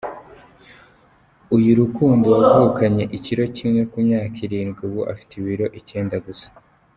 Uyu Rukundo wavukanye ikiro kimwe ku myaka irindwi ubu afite ibiro icyenda gusa.